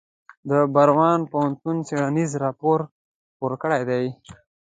د براون پوهنتون څیړنیز راپور خپور کړی دی.